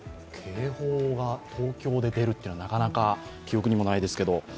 警報が東京で出るというのは、なかなか記憶にもないですけど。